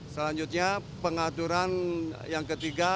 selanjutnya pengaturan yang ketiga